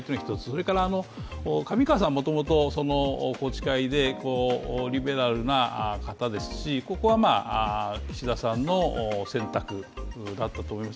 それから上川さんはもともと宏池会でリベラルな方ですし、ここは岸田さんの選択だったと思います。